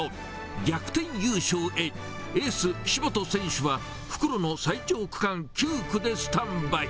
逆転優勝へ、エース、岸本選手は、復路の最長区間９区でスタンバイ。